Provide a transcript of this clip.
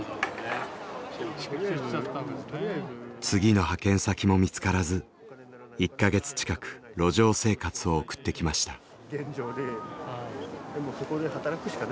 次の派遣先も見つからず１か月近く路上生活を送ってきました。